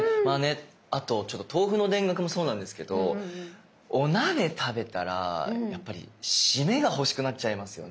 あと豆腐の田楽もそうなんですけどお鍋食べたらやっぱりシメが欲しくなっちゃいますよね。